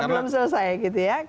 belum selesai gitu ya